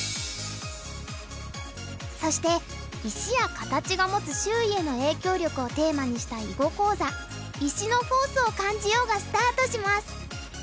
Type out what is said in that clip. そして石や形が持つ周囲への影響力をテーマにした囲碁講座「石のフォースを感じよう！」がスタートします！